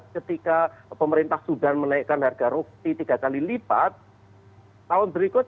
ketika pemerintah sudan menaikkan harga rokti tiga kali lipat